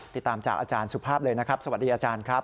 ติดตามจากอาจารย์สุภาพเลยนะครับสวัสดีอาจารย์ครับ